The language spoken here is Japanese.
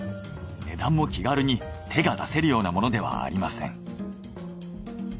値段も気軽に手が出せるようなものではありません。